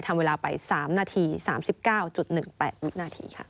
ทำเวลาไป๓นาที๓๙๑๘วินาทีค่ะ